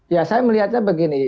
ya saya melihatnya begitu